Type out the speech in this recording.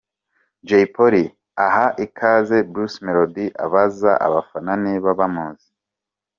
Jay Polly aha ikaze Bruce Melody, abaza abafana niba bamuzi.